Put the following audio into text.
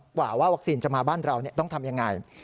กว่าว่าวัคซีนจะมาบ้านเราต้องทำยังไง